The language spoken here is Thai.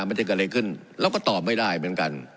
มันจะเกิดอะไรขึ้นเราก็ตอบไม่ได้เหมือนกัน